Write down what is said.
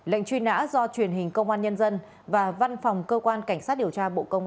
lệnh truy nã do truyền hình công an nhân dân và văn phòng cơ quan cảnh sát điều tra bộ công an